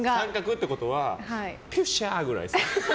△ってことはピュッシャくらいですか。